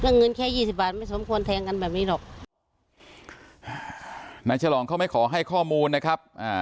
เงินแค่ยี่สิบบาทไม่สมควรแทงกันแบบนี้หรอกนายฉลองเขาไม่ขอให้ข้อมูลนะครับอ่า